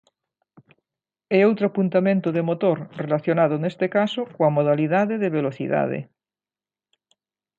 E outro apuntamento de motor relacionado neste caso coa modalidade de velocidade.